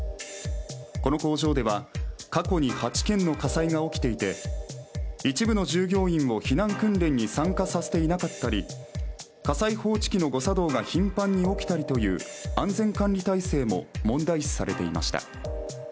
この工場では過去に８件の火災が起きていて一部の従業員を避難訓練に参加させていなかったり火災報知器の誤作動が頻繁に起きたりという安全管理体制も問題視されていました。